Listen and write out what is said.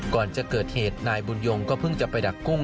ก่อนจะเกิดเหตุนายบุญยงก็เพิ่งจะไปดักกุ้ง